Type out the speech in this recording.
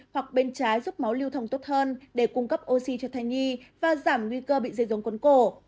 hoặc bên trái giúp máu lưu thông tốt hơn để cung cấp oxy cho thai nhi và giảm nguy cơ bị dây dốn cuốn cổ